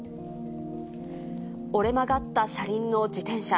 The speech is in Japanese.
折れ曲がった車輪の自転車。